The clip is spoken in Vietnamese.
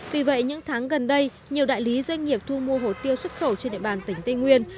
vì vậy những tháng gần đây nhiều đại lý doanh nghiệp thu mua hồ tiêu xuất khẩu trên địa bàn tỉnh tây nguyên